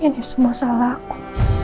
ini semua salah aku